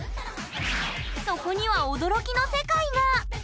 そこには驚きの世界が！